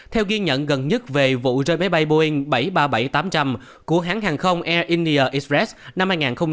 theo ghi nhận gần nhất về vụ rơi máy bay boeing bảy trăm ba mươi bảy tám trăm linh của hãng hàng không air inier express năm hai nghìn một mươi tám